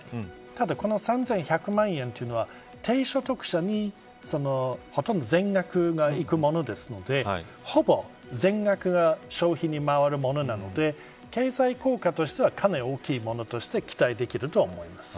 ただこの３１００という数字は低所得者にほとんど全額がいくものですのでほぼ全額が消費に回るものなので経済効果としてはかなり大きいものとして期待できると思います。